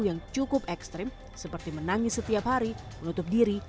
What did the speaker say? yang cukup ekstrim seperti menangis setiap hari menutup diri